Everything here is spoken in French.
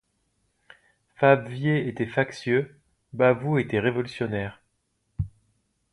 Fabvier était factieux; Bavoux était révolutionnaire.